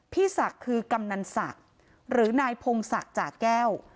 พี่ศักดิ์คือกำนันศักดิ์หรือนายพงศักดิ์จ่าแก้ว